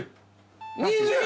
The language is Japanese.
２０。